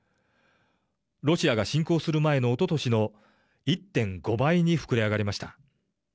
ロシアが侵攻する前のおととしの１．５倍に膨れ上がりました。